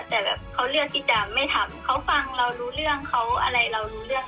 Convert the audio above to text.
แต่แบบเขาเลือกที่จะไม่ทำเขาฟังเรารู้เรื่องเขาอะไรเรารู้เรื่อง